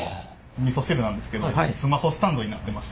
みそ汁なんですけどスマホスタンドになってまして。